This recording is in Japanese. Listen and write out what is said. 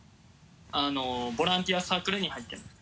ボランティアサークルに入ってます。